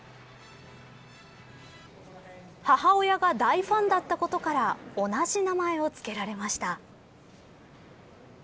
母親が大ファンだったことから同じ名前を付けられました。